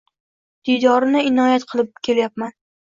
Diydorni inoyat bilib kelyapman.